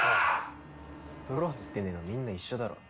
風呂入ってねぇのはみんな一緒だろ。